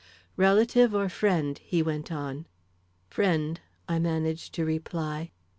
"Relative or friend?" he went on. "Friend," I managed to reply.